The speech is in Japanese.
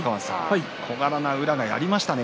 小柄な宇良がやりましたね。